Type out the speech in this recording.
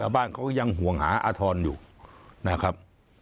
บ้านเขาก็ยังห่วงอาอาทรอยู่นะครับ